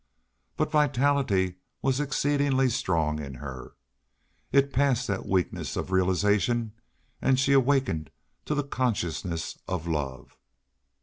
But vitality was exceeding strong in her. It passed, that weakness of realization, and she awakened to the consciousness of love.